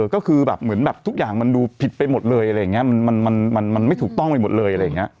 ก็คือแบบเหมือนทุกอย่างมันดูผิดไปหมดเลยมันไม่ถูกต้องไปหมดเลย